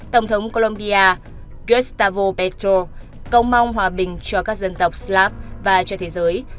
tổng thống colombia gustavo petro công mong hòa bình cho các dân tộc slav và cho thế giới